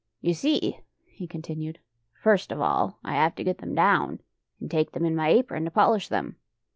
" You see," he continued, " flrst of all I have to get them down, and take them in my apron to polish them.